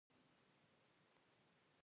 پامیر د افغانستان د انرژۍ سکتور برخه ده.